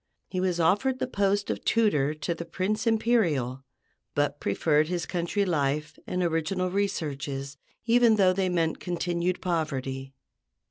He was offered the post of tutor to the Prince Imperial, but preferred his country life and original researches, even though they meant continued poverty.